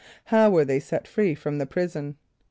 = How were they set free from the prison?